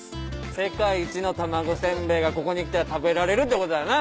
世界一の玉子煎餅がここに来たら食べられるってことだな。